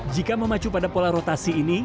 jika memacu pada pola rotasi ini